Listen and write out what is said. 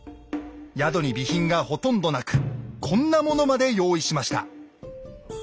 宿に備品がほとんどなくこんなものまで用意しました。